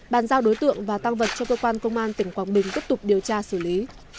bàn giao đối tượng và tăng vật cho cơ quan công an tỉnh quảng bình tiếp tục điều tra xử lý